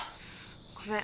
ごめん。